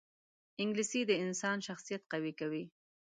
انګلیسي د انسان شخصیت قوي کوي